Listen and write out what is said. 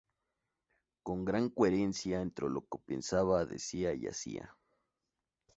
Con gran coherencia entre lo que pensaba, decía y hacía.